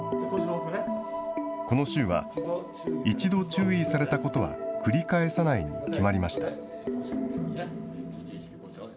この週は、一度注意されたことは繰り返さないに決まりました。